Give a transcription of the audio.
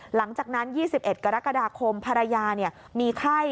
หลังจากนั้น๒๑กรกฎาคมภรรยามีไข้